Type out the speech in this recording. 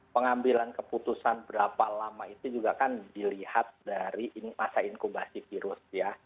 pengambilan keputusan berapa lama itu juga kan dilihat dari masa inkubasi virus ya